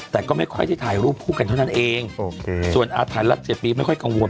แต่ก็ไม่ค่อยได้ถ่ายรูปคู่กันเท่านั้นเองโอเคส่วนอาร์ตถ่ายละเจ็ดปีไม่ค่อยกังวล